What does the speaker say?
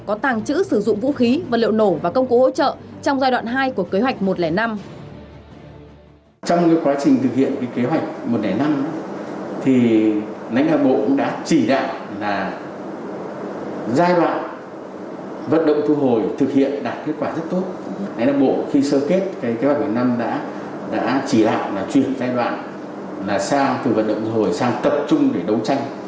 có tàng trữ sử dụng vũ khí vật liệu nổ và công cụ hỗ trợ trong giai đoạn hai của kế hoạch một trăm linh năm